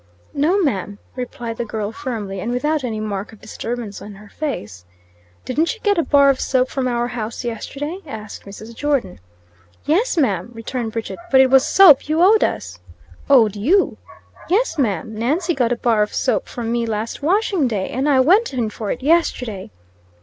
"No, ma'am!" replied the girl firmly, and without any mark of disturbance in her face. "Din't you get a bar of soap from our house yesterday?" asked Mrs. Jordon. "Yes, ma'am," returned Bridget, "but it was soap you owed us." "Owed you!" "Yes, Ma am. Nancy got a bar of soap from me last washing day, and I went in for it yesterday."